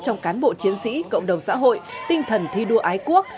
trong cán bộ chiến sĩ cộng đồng xã hội tinh thần thi đua ái quốc